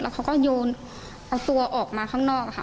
เขาก็โยนเอาตัวออกมาข้างนอกค่ะ